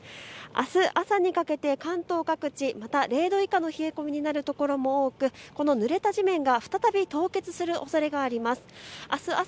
あす朝にかけて関東各地、また０度以下の冷え込みになるところも多くこのぬれた地面が再び凍結するおそれがあります。